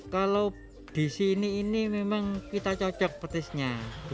kalau disini ini memang kita cocok petisnya